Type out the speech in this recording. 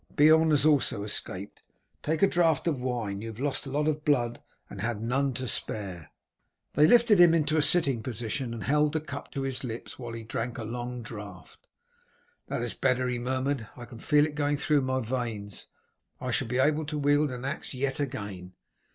Beorn has also escaped. Take a draught of wine; you have lost a lot of blood and had none to spare." They lifted him into a sitting position, and held the cup to his lips while he drank a long draught. "That is better," he murmured. "I can feel it going through my veins. I shall be able to wield an axe yet again.